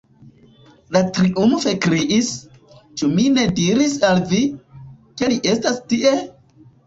Li triumfe kriis: "Ĉu mi ne diris al vi, ke li estas tie?"